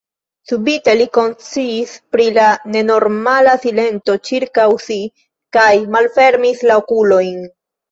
Subite li konsciis pri la nenormala silento ĉirkaŭ si kaj malfermis la okulojn.